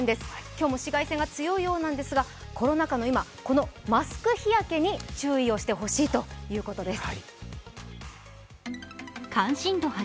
今日も紫外線が強いようなんですが、コロナ禍の今、このマスク日焼けに注意をしてほしいということです。